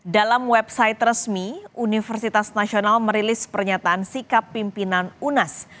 dalam website resmi universitas nasional merilis pernyataan sikap pimpinan unas